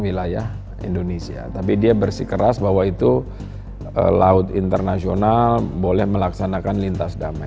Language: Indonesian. wilayah indonesia tapi dia bersikeras bahwa itu laut internasional boleh melaksanakan lintas damai